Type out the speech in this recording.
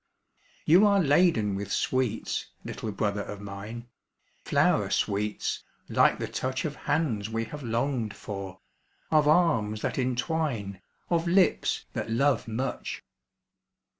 You are laden with sweets, little brother of mine, Flower sweets, like the touch Of hands we have longed for, of arms that entwine, Of lips that love much.